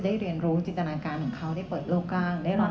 พี่น้องเนี่ยก็มีผิวแห้งหนักเข้าไปอีกนะคะ